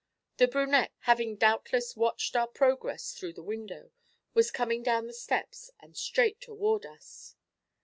The brunette, having doubtless watched our progress through the window, was coming down the steps and straight toward us.